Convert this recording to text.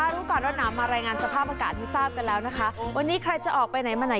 รู้ก่อนร้อนหนาวมารายงานสภาพอากาศให้ทราบกันแล้วนะคะวันนี้ใครจะออกไปไหนมาไหน